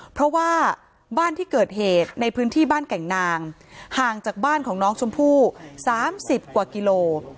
เพราะว่าบ้านที่เกิดเหตุในพื้นที่บ้านแก่งนางห่างจากบ้านของน้องชมพู่๓๐กว่ากิโล